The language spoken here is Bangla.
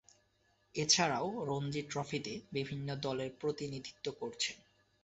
এছাড়াও, রঞ্জী ট্রফিতে বিভিন্ন দলের প্রতিনিধিত্ব করেছেন।